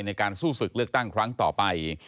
ในการสู้ศึกเลือกตั้งครั้งต่อไป